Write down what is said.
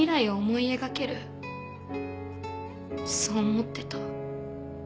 そう思ってた。